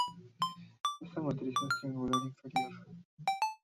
Esta matriz es triangular inferior.